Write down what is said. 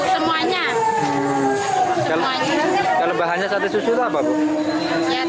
jadi saya kesini untuk beli sate susu sama sate asem manis